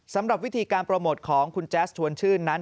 สำหรับวิธีการโปรโมทของคุณแจ๊สชวนชื่นนั้น